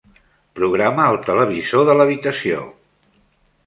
Programa el televisor de l'habitació.